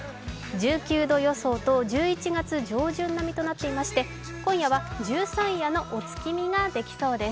１９度予想と１１月上旬並みの予想となっていまして今夜は十三夜のお月見ができそうです。